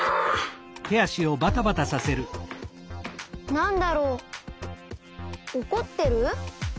なんだろうおこってる？